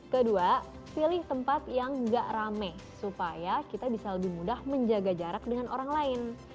kedua pilih tempat yang gak rame supaya kita bisa lebih mudah menjaga jarak dengan orang lain